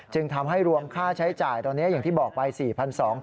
จึงทำให้รวมค่าใช้จ่ายตอนนี้อย่างที่บอกไป๔๒๐๐บาท